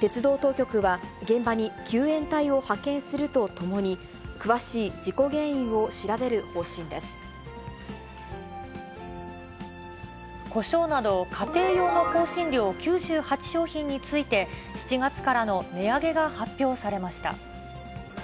鉄道当局は、現場に救援隊を派遣するとともに、こしょうなど、家庭用の香辛料９８商品について、７月からの値上げが発表されました。